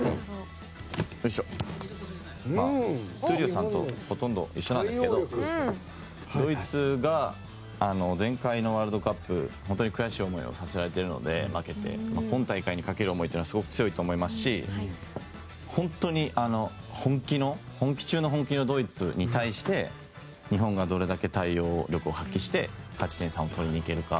闘莉王さんとほとんど一緒ですがドイツが前回のワールドカップ負けて、本当に悔しい思いをさせられているので今大会にかける思いは強いと思いますし本当に本気中の本気のドイツに対して日本がどれだけ対応力を発揮して勝ち点３を取りに行けるか。